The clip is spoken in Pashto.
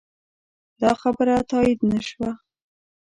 دا خبره تایید نه شوه.